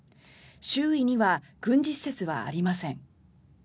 周囲には軍事施設はありません。